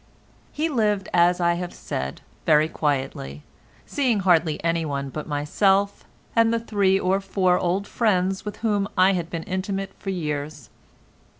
He lived as I have said very quietly, seeing hardly anyone but myself, and the three or four old friends with whom I had been intimate for years.